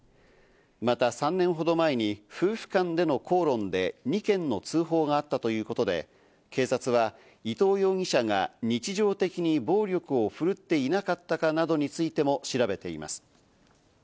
また３年ほど前に夫婦間での口論で２件の通報があったということで、警察は伊藤容疑者が日常的に暴力をふるっていなかったかなどについても調べています。